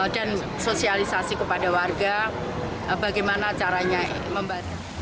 dan sosialisasi kepada warga bagaimana caranya